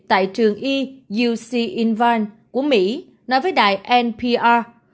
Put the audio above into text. tại trường y uc invan của mỹ nói với đài npr